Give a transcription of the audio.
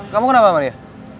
kamu kenapa sama dia